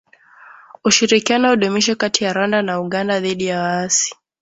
Ushirikiano udumishwe kati ya Rwanda na Uganda dhidi ya waasi